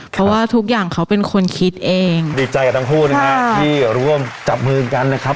เพราะว่าทุกอย่างเขาเป็นคนคิดเองดีใจกับทั้งคู่นะฮะที่ร่วมจับมือกันนะครับ